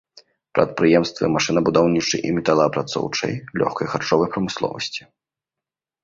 Прадпрыемствы машынабудаўнічай і металаапрацоўчай, лёгкай, харчовай прамысловасці.